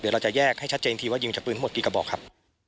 เดี๋ยวเราจะแยกให้ชัดเจนทีว่ายิงจากปืนทั้งหมดกี่กระบอกครับ